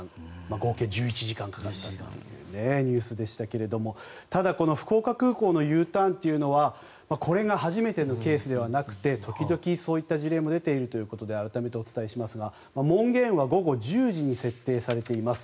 合計１１時間かかったというニュースでしたけどただ、福岡空港のＵターンというのはこれが初めてのケースではなくて時々そういった事例も出ているということで改めてお伝えしますが門限は午後１０時に設定されています。